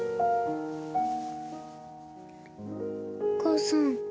お母さん。